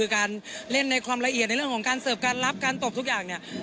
การเล่นในความละเอียดในเรื่องของการเสิร์ฟการรับการตบทุกอย่างเนี่ย